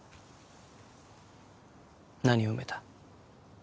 何を埋めた？